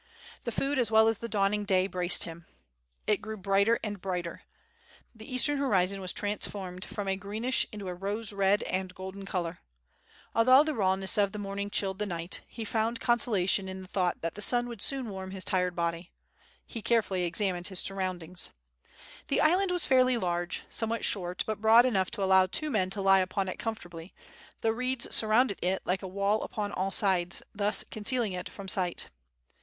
The food as well as the dawning day, braced him. It grew brighter and brighter. The eastern horizon was transformed from a greenish into a rose red and golden color. Although the rawness o! the morning chilled the knight, he found consolation in the thought that the sun would soon warm his tired body. He carefully examined his surroundings. The island was fairly large, somewhat short, but broad enough to allow two men to lie upon it comfortably, the reeds surrounded it like a wall upon all sides, thus concealing it from sight.